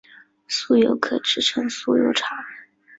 酥油可制成酥油茶。